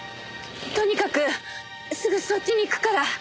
とにかくすぐそっちに行くから。